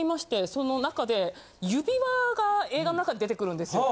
その中で指輪が映画の中で出てくるんですよ。